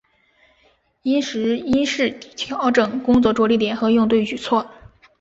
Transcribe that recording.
因时因势调整工作着力点和应对举措